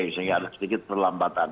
jadi ada sedikit perlambatan